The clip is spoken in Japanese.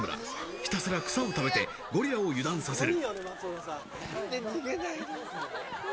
ひたすら草を食べて、ゴリラを油断させる。